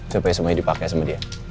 supaya semuanya dipakai sama dia